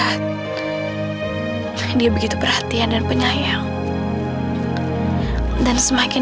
ayamnya enak sekali